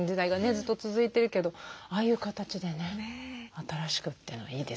ずっと続いてるけどああいう形でね新しくっていうのはいいですね。